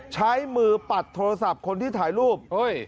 ใช้มือปัดโทรศัพท์คนที่ถ่ายรูป